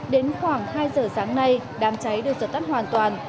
đến khoảng hai h sáng nay đám cháy được giật tắt hoàn toàn